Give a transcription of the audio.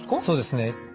そうですね。